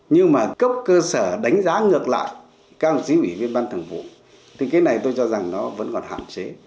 nhưng mà cấp cơ sở đánh giá ngược lại các đồng chí ủy viên ban thường vụ thì cái này tôi cho rằng nó vẫn còn hạn chế